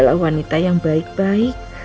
adalah wanita yang baik baik